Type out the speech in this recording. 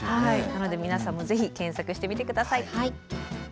なので皆さんもぜひ検索してみて下さい。